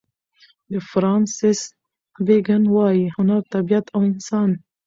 د فرانسیس بېکن وايي: هنر طبیعت او انسان.